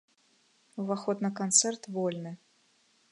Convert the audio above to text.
Уваход на канцэрт вольны.